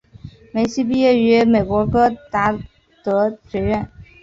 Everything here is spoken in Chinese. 梅西毕业于美国戈达德学院。